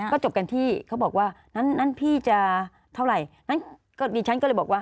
ก็จบกันที่เขาบอกว่านั้นพี่จะเท่าไหร่งั้นก็ดิฉันก็เลยบอกว่า